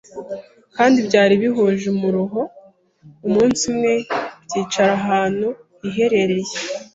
kandi byari bihuje umuruho Umunsi umwe byicara ahantu hiherereye